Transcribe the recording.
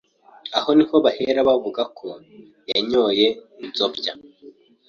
aho niho bahera bavuga ko ‘Yanyoye Nzobya.